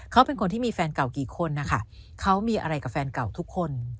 เขาเป็นคนที่มีแฟนเก่ากี่คนนะคะเขามีอะไรกับแฟนเก่าทุกคน